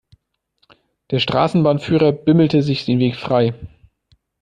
Der Straßenbahnführer bimmelte sich den Weg frei.